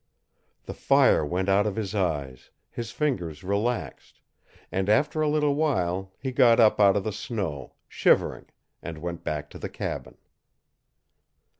The fire went out of his eyes, his fingers relaxed, and after a little while he got up out of the snow, shivering, and went back to the cabin.